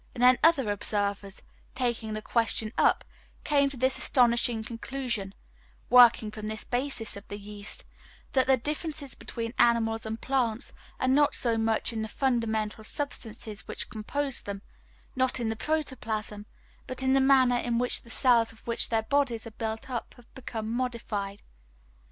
And then other observers, taking the question up, came to this astonishing conclusion (working from this basis of the yeast), that the differences between animals and plants are not so much in the fundamental substances which compose them, not in the protoplasm, but in the manner in which the cells of which their bodies are built up have become modified.